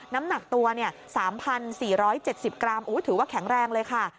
น้ำหนักตัว๓๔๗๐กรัมถือว่าแข็งแรงเลยค่ะ